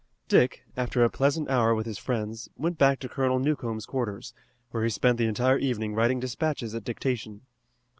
Dick, after a pleasant hour with his friends, went back to Colonel Newcomb's quarters, where he spent the entire evening writing despatches at dictation.